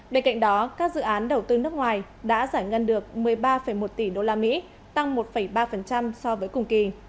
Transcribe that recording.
bên cạnh đó các dự án đầu tư nước ngoài đã giải ngân được một mươi ba một tỷ usd tăng một ba so với cùng kỳ